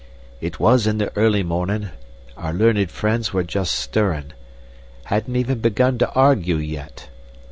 "It was in the early mornin'. Our learned friends were just stirrin'. Hadn't even begun to argue yet.